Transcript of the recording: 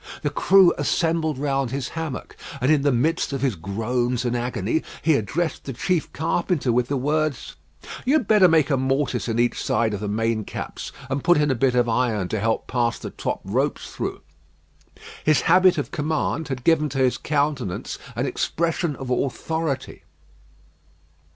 The crew assembled round his hammock, and in the midst of his groans and agony he addressed the chief carpenter with the words, "You had better make a mortise in each side of the main caps, and put in a bit of iron to help pass the top ropes through." His habit of command had given to his countenance an expression of authority.